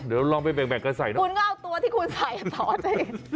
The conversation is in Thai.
เดี๋ยวลองไปแบ่งกันใส่นะคุณก็เอาตัวที่คุณใส่ต่อสิ